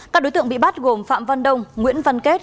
các đối tượng bị bắt gồm phạm văn đông nguyễn văn kết